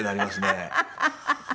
ハハハハ。